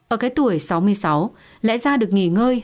ở cái tuổi sáu mươi sáu lẽ ra được nghỉ ngơi